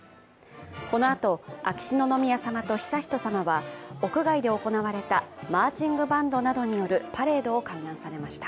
このあと、秋篠宮さまと悠仁さまは、屋外で行われたマーチングバンドなどによるパレードを観覧されました。